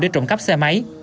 để trộm cắp xe máy